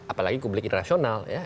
apalagi publik internasional ya